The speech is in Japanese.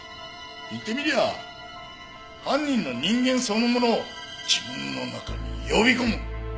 言ってみりゃ犯人の人間そのものを自分の中に呼び込む。